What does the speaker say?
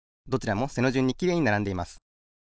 どちらも背のじゅんにきれいにならんでいます。